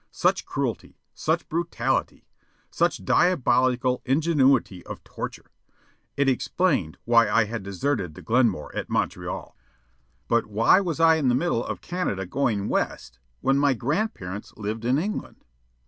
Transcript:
Such cruelty! Such brutality! Such diabolical ingenuity of torture! It explained why I had deserted the Glenmore at Montreal. But why was I in the middle of Canada going west, when my grandparents lived in England?